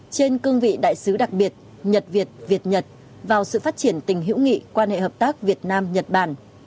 trên cương vị đại sứ đặc biệt nhật việt việt nhật vào sự phát triển tình hữu nghị quan hệ hợp tác việt nam nhật bản